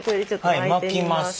巻きます。